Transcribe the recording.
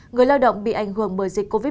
người lao động bị ảnh hưởng bởi dịch covid một mươi